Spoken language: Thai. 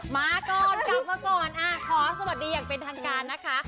มาก่อนกลับมาก่อนขอสวัสดีอย่างเป็นทางการนะคะ